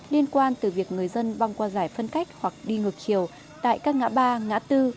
liên quan từ việc người dân văng qua giải phân cách hoặc đi ngược chiều tại các ngã ba ngã tư